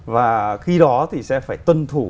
và khi đó thì sẽ phải tuân thủ